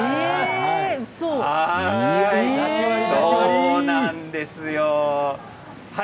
そうなんですよ。